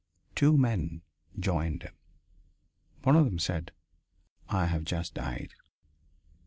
Two men joined him. One of them said: "I have just died."